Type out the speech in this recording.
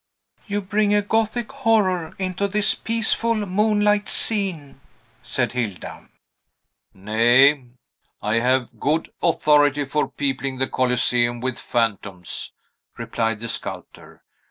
"You bring a Gothic horror into this peaceful moonlight scene," said Hilda. "Nay, I have good authority for peopling the Coliseum with phantoms," replied the sculptor.